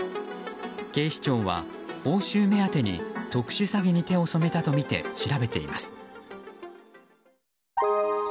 警視庁は報酬目当てに特殊詐欺に手を染めたとみて調べています。